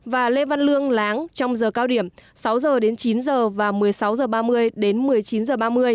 và lê văn lương láng trong giờ cao điểm sáu h đến chín h và một mươi sáu h ba mươi đến một mươi chín h ba mươi